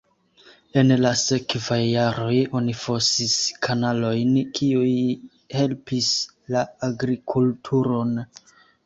En la sekvaj jaroj oni fosis kanalojn, kiuj helpis la agrikulturon.